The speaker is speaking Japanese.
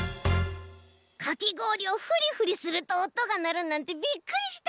かきごおりをフリフリするとおとがなるなんてびっくりした！